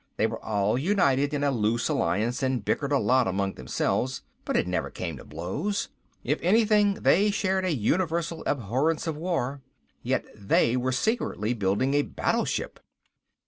They were all united in a loose alliance and bickered a lot among themselves, but never came to blows. If anything, they shared a universal abhorrence of war. Yet they were secretly building a battleship.